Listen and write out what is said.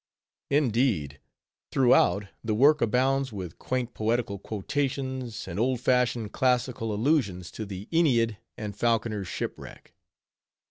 _ Indeed, throughout, the work abounds with quaint poetical quotations, and old fashioned classical allusions to the Aeneid and Falconer's Shipwreck.